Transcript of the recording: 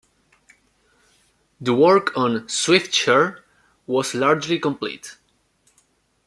The work on "Swiftsure" was largely complete.